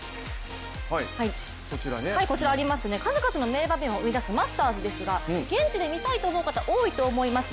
数々の名場面を生み出すマスターズですが現地で見たいという方多いと思います。